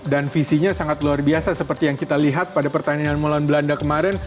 dan visinya sangat luar biasa seperti yang kita lihat pada pertandingan moulin belanda kemarin